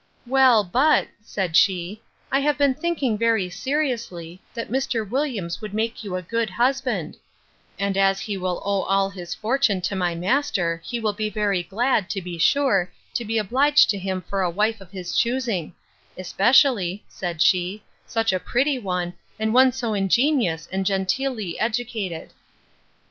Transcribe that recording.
Well, but, said she, I have been thinking very seriously, that Mr. Williams would make you a good husband; and as he will owe all his fortune to my master, he will be very glad, to be sure, to be obliged to him for a wife of his choosing: especially, said she, such a pretty one, and one so ingenious, and genteelly educated.